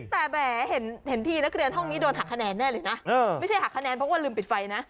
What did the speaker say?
แต่แหมเห็นทีนักเรียนห้องนี้โดนหักคะแนนแน่เลยนะไม่ใช่หักคะแนนเพราะว่าลืมปิดไฟนะ